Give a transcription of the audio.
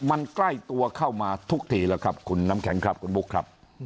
อย่างใกล้ตัวเข้ามาทุกทีคุณนำแข็งคุณพุกครับ